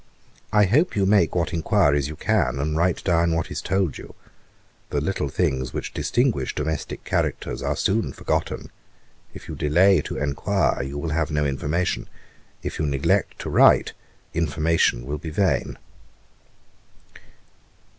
I hope you make what enquiries you can, and write down what is told you. The little things which distinguish domestick characters are soon forgotten: if you delay to enquire, you will have no information; if you neglect to write, information will be vain.